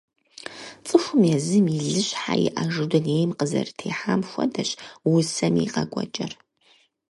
ЦӀыхум езым и лъыщхьэ иӀэжу дунейм къызэрытехьэм хуэдэщ усэми и къэкӀуэкӀэр.